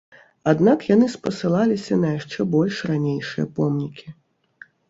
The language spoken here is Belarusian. Аднак яны спасылаліся на яшчэ больш ранейшыя помнікі.